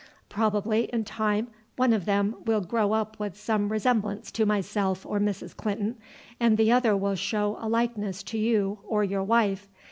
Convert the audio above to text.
Probably in time one of them will grow up with some resemblance to myself or Mrs. Clinton, and the other will show a likeness to you or your wife.